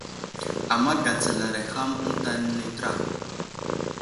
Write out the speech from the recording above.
Ama gatsalaray ham eŋta nay təra.